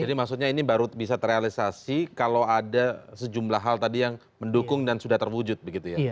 jadi maksudnya ini baru bisa terrealisasi kalau ada sejumlah hal tadi yang mendukung dan sudah terwujud begitu ya